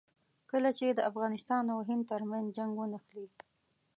کله چې د افغانستان او هند ترمنځ جنګ ونښلي.